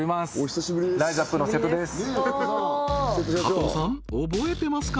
加藤さん覚えてますか？